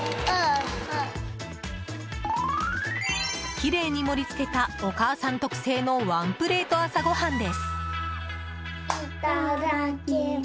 きれいに盛り付けたお母さん特製のワンプレート朝ごはんです。